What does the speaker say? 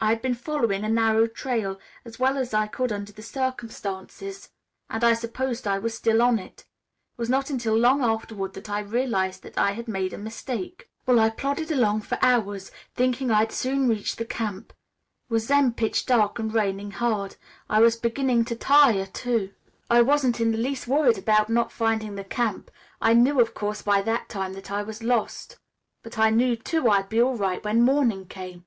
I had been following a narrow trail, as well as I could under the circumstances, and I supposed I was still on it. It was not until long afterward that I realized that I had made a mistake. "Well, I plodded along for hours thinking I'd soon reach the camp. It was then pitch dark and raining hard. I was beginning to tire, too. I wasn't in the least worried about not finding the camp. I knew, of course, by that time that I was lost, but I knew, too, I'd be all right when morning came.